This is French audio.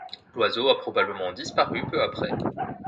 L'oiseau a probablement disparu peu après.